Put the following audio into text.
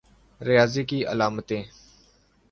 ریاضی کی علامتیں